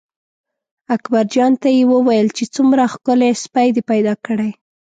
اکبرجان ته یې وویل چې څومره ښکلی سپی دې پیدا کړی.